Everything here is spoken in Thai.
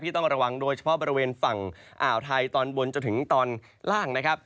ต้องระวังโดยเฉพาะบริเวณฝั่งอ่าวไทยตอนบนจนถึงตอนล่างนะครับ